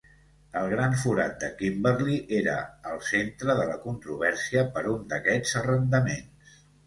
El gran forat de Kimberley era al centre de la controvèrsia per un d'aquests arrendaments.